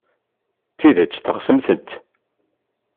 D tidet teɣsemt-t?